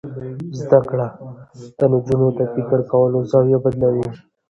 زده کړه د نجونو د فکر کولو زاویه بدلوي.